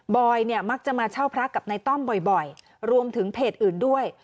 อยเนี่ยมักจะมาเช่าพระกับนายต้อมบ่อยรวมถึงเพจอื่นด้วย